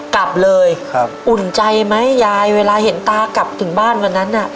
กลับเลยครับอุ่นใจไหมยายเวลาเห็นตากลับถึงบ้านวันนั้นน่ะ